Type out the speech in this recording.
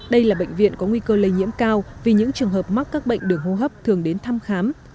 đây là bệnh viện có nguy cơ lây nhiễm cao vì những trường hợp mắc các bệnh đường hô hấp thường đến thăm khám